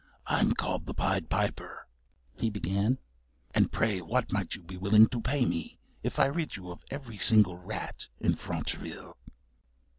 "I'm called the Pied Piper," he began. "And pray what might you be willing to pay me, if I rid you of every single rat in Franchville?"